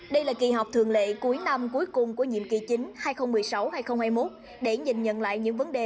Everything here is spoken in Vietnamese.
đây là kỳ họp thường lệ cuối năm cuối cùng của nhiệm kỳ chính hai nghìn một mươi sáu hai nghìn hai mươi một để nhìn nhận lại những vấn đề